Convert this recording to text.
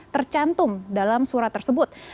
tercantum dalam surat tersebut